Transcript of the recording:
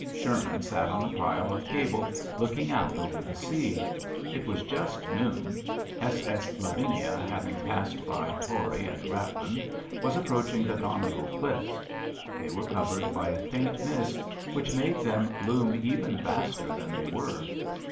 Sherman sat on a pile of cable looking out over the sea. It was just noon; SS. Lavinia, having passed by Tory and Rathlin, was approaching the Donegal cliffs. They were covered by a faint mist, which made them loom even vaster than they were.